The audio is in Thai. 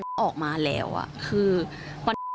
เธอก็เลยอยากเปิดโปรงพฤติกรรมน่ารังเกียจของอดีตรองหัวหน้าพรรคคนนั้นครับ